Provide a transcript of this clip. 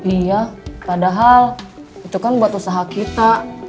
iya padahal itu kan buat usaha kita